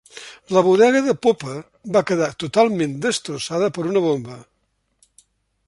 La bodega de popa va quedar totalment destrossada per una bomba.